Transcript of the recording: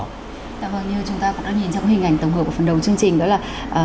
đảm bảo như chúng ta cũng đã nhìn trong hình ảnh tổng hợp của phần đầu chương trình đó là